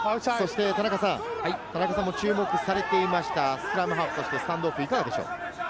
田中さんも注目されていました、スクラムハーフとしてスタンドオフ、いかがでしょうか？